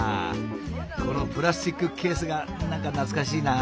このプラスチックケースが何か懐かしいな。